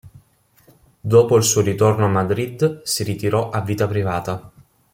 Dopo il suo ritorno a Madrid, si ritirò a vita privata.